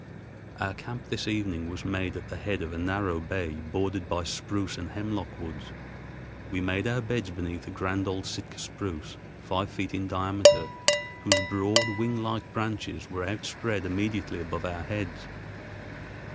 Our camp this evening was made at the head of a narrow bay bordered by spruce and hemlock woods. We made our beds beneath a grand old Sitka spruce five feet in diameter, whose broad, winglike branches were outspread immediately above our heads.